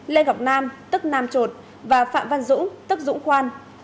lê ngọc nam tức nam trột và phạm văn dũng tức dũng khoan